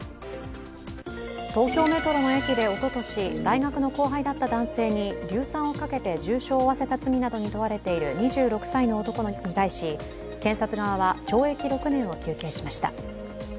東京メトロの駅でおととし大学の後輩だった男性に硫酸をかけて重傷を負わせた罪などに問われている２６歳の男に対し検察側は、懲役６年を求刑しました。